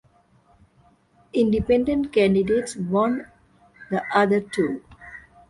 Independent candidates won the other two.